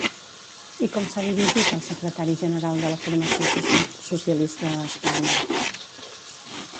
I com s'ha dirigit al secretari general de la formació socialista a Espanya?